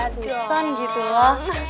susan gitu loh